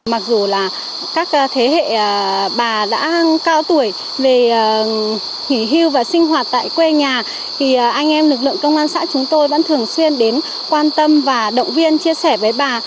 mặc dù là các thế hệ bà đã cao tuổi về nghỉ hưu và sinh hoạt tại quê nhà thì anh em lực lượng công an xã chúng tôi vẫn thường xuyên đến quan tâm và động viên chia sẻ với bà